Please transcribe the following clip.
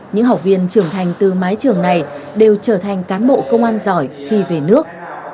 những học viên trưởng thành từ mái trường này đều trở thành cán bộ công an giỏi khi về nước